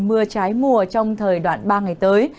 mưa trái mùa trong thời đoạn ba ngày tới